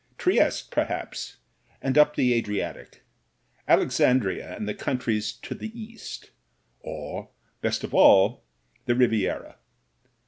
Trieste, perhaps, and up the Adri atic; Alexandria and the countries to the East; or, best of all, the Riviera.